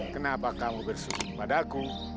kenapa kamu bersyukur pada aku